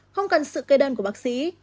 không cần sự cây đơn của bác sĩ